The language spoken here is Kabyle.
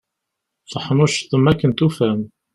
Teḥnuccḍem akken tufam.